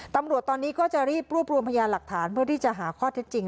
ตำรวจตอนนี้ก็จะรีบรวบรวมพยานหลักฐานเพื่อที่จะหาข้อเท็จจริง